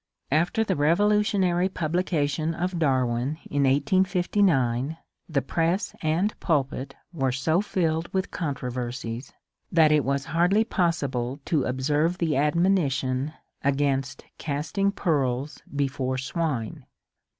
After the revolutionary publication of Darwin in 1859, the press and pulpit were so filled with controversies that it was hardly possible to observe the admonition against casting pearls before swine.